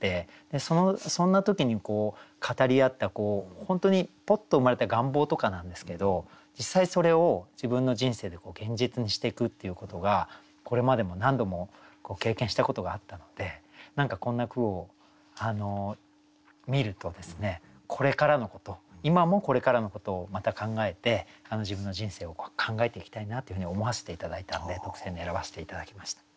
そんな時に語り合った本当にぽっと生まれた願望とかなんですけど実際それを自分の人生で現実にしていくっていうことがこれまでも何度も経験したことがあったので何かこんな句を見るとこれからのこと今もこれからのことをまた考えて自分の人生を考えていきたいなというふうに思わせて頂いたんで特選に選ばせて頂きました。